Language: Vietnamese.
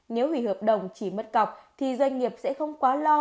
nếu hủy hợp đồng chỉ mất cọc thì doanh nghiệp sẽ không quá lo